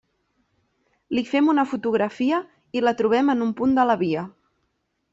Li fem una fotografia i la trobem en un punt de la via.